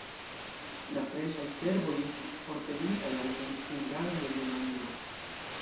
La freŝaj serboj estis forpelitaj, alvenis hungaroj el Rumanio.